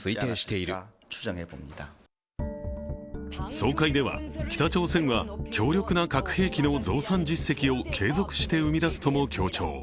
総会では北朝鮮は強力な核兵器の増産実績を継続して生み出すとも強調。